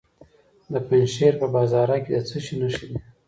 د پنجشیر په بازارک کې د څه شي نښې دي؟